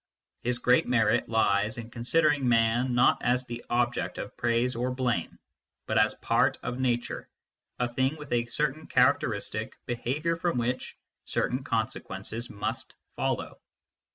His great merit lies in considering man not as the object of praise or blame, but as a part of nature, a thing with a certain characteristic behaviour from which certain consequences must follow.